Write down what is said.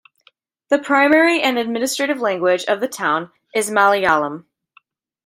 The primary and administrative language of the town is Malayalam.